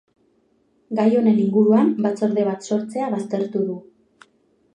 Gai honen inguruan batzorde bat sortzea baztertu du.